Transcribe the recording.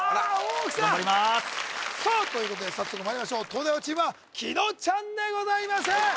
頑張りまーすということで早速まいりましょう東大王チームは紀野ちゃんでございます